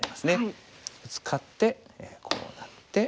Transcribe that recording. ブツカってこうなって。